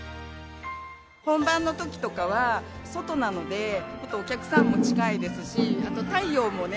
本番の時とかは外なのでもっとお客さんも近いですしあと太陽もね。